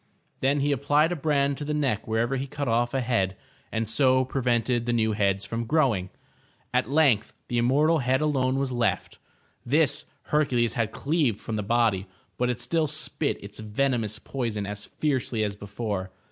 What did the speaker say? *^' Then he applied a brand to the neck wherever he cut off a head, and so prevented the new heads from growing. At length the immortal head alone was left. This Hercules had cleaved 'from the body, but it still spit its venomous poison as fiercely as before.